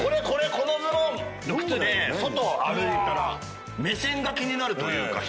このズボンと靴で外を歩いたら目線が気になるというか人の。